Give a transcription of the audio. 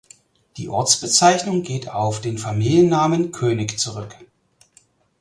Die Ortsbezeichnung geht auf den Familiennamen "König" zurück.